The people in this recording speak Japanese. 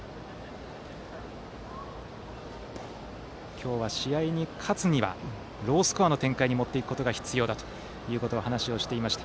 今日は試合に勝つにはロースコアの展開に持っていくことが必要だと話をしていました。